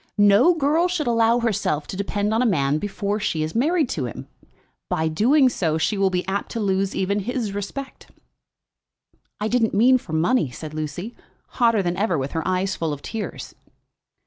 No girl should allow herself to depend on a man before she is married to him. By doing so she will be apt to lose even his respect." "I didn't mean for money," said Lucy, hotter than ever, with her eyes full of tears.